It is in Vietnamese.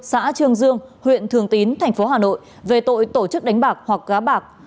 xã trường dương huyện thường tín tp hà nội về tội tổ chức đánh bạc hoặc gá bạc